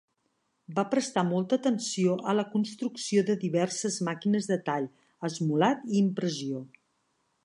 Va prestar molta atenció a la construcció de diverses màquines de tall, esmolat i impressió.